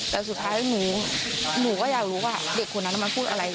แต่สุดท้ายหนูก็อยากรู้ว่าเด็กคนนั้นมันพูดอะไร